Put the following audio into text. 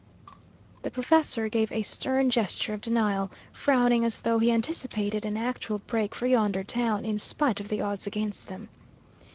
The professor gave a stern gesture of denial, frowning as though he anticipated an actual break for yonder town, in spite of the odds against them.